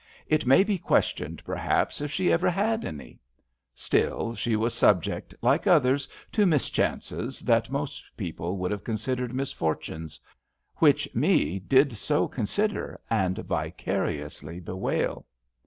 It may be questioned, perhaps, if she ever had anyl Still she was subject, like others, to mischances that most people would have considered misfortunes, which Me did so consider and vicariously bewail.